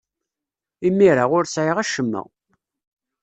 Imir-a, ur sriɣ acemma.